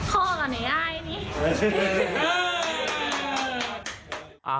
ผีเขาให้ตั้ง